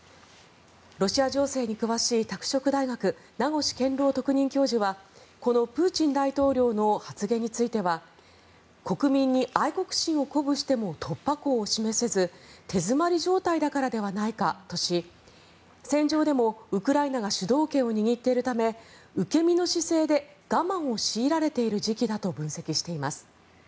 ロシア情勢に詳しい拓殖大学、名越健郎特任教授はこのプーチン大統領の発言については国民に愛国心を鼓舞しても突破口を示せず手詰まり状態だからではないかとし戦場でもウクライナが主導権を握っているため受け身の姿勢で我慢を強いられている時期だと分析しています。